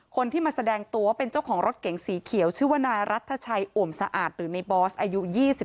คนที่มาแสดงตัวเป็นเจ้าของรถเก๋งสีเขียวชื่อว่านายรัฐชัยอ่วมสะอาดหรือในบอสอายุ๒๓